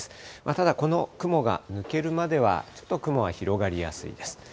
ただこの雲が抜けるまでは、ちょっと雲が広がりやすいです。